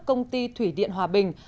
công ty thủy điện hòa bình